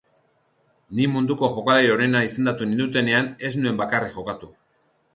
Ni munduko jokalari onena izendatu nindutenean ez nuen bakarrik jokatu.